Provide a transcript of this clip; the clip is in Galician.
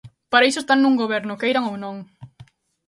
Para iso están nun goberno, queiran ou non.